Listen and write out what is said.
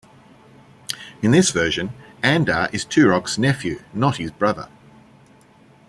In this version, Andar is Turok's nephew not his brother.